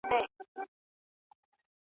بې گناه مي په ناحقه تور نيولي .